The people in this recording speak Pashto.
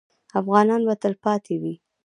افغانستان به تلپاتې وي؟